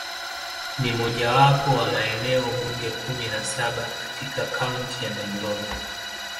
Ni mojawapo wa maeneo bunge kumi na saba katika Kaunti ya Nairobi.